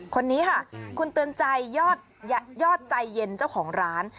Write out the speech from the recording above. คนนี้ค่ะคุณเตือนใจยอดใจเย็นเจ้าของร้าน